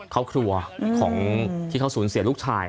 ครอบครัวของที่เขาสูญเสียลูกชาย